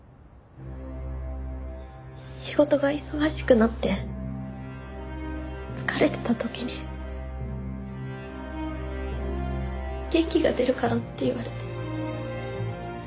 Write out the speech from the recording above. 仕事が忙しくなって疲れてた時に元気が出るからって言われて。